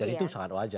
dan itu sangat wajar